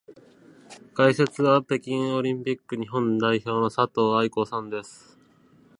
解説は北京オリンピック日本代表の佐藤愛子さんです。